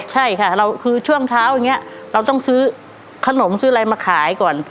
ใช่ค่ะเราคือช่วงเช้าอย่างนี้เราต้องซื้อขนมซื้ออะไรมาขายก่อน